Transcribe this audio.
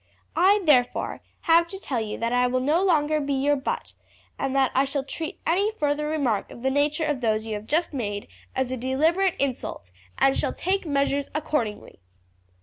I, therefore, have to tell you that I will no longer be your butt, and that I shall treat any further remark of the nature of those you have just made as a deliberate insult, and shall take measures accordingly."